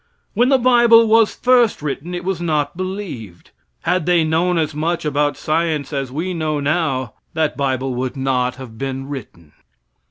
When the bible was first written it was not believed. Had they known as much about science as we know now, that bible would not have been written.